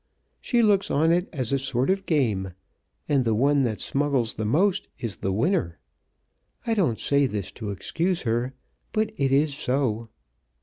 She looks on it as a sort of game, and the one that smuggles the most is the winner. I don't say this to excuse her. But it is so."